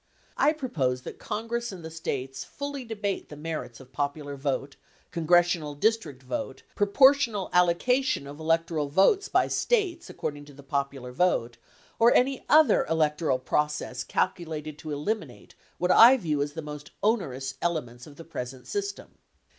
I propose that Congress and the States fully debate the merits of popular vote, congressional district vote, propor tional allocation of electoral votes by States according to the popular vote, or any other electoral process calculated to eliminate what I view as the two most onerous elements of the present system.